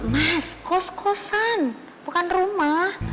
mas kos kosan bukan rumah